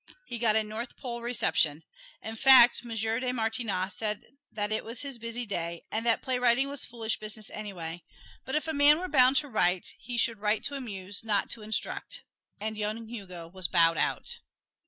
He got a North Pole reception. In fact, M. de Martignac said that it was his busy day, and that playwriting was foolish business anyway; but if a man were bound to write, he should write to amuse, not to instruct. And young Hugo was bowed out.